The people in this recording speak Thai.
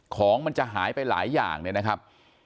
ของมันจะหายไปหลายอย่างเนี่ยนะครับ